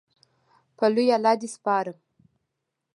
په لوی الله دې سپارم